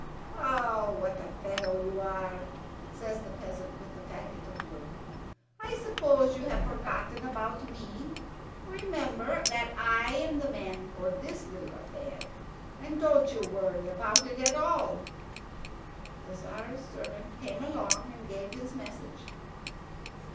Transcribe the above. "Oh, what a fellow you are!" says the peasant with the fagot of wood. "I suppose you've forgotten about me. Remember that I am the man for this little affair, and don't you worry about it at all." The Tzar's servant came along and gave his message.